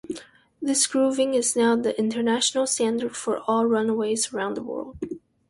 This grooving is now the international standard for all runways around the world.